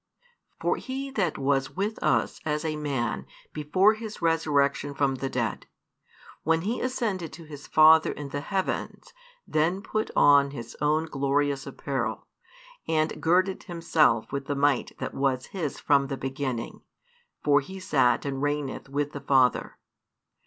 For He that was with us as a man before His resurrection from the dead, when He ascended to His Father in the heavens, then put on His own glorious apparel, and girded Himself with the might that was His from the beginning, for He sat and reigneth with the Father.